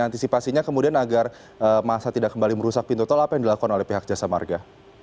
antisipasinya kemudian agar masa tidak kembali merusak pintu tol apa yang dilakukan oleh pihak jasa marga